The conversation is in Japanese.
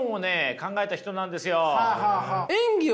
考えた人なんですよ。